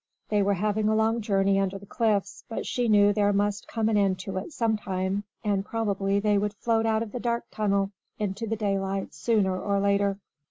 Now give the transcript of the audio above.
They were having a long journey under the cliffs; but she knew there must come an end to it some time, and probably they would float out of the dark tunnel into the daylight sooner or later.